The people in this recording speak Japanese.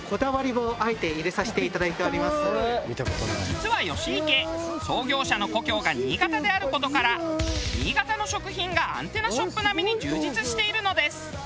実は吉池創業者の故郷が新潟である事から新潟の食品がアンテナショップ並みに充実しているのです。